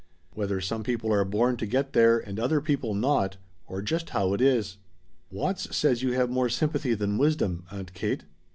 Whether some people are born to get there and other people not, or just how it is." "Watts says you have more sympathy than wisdom, Aunt Kate."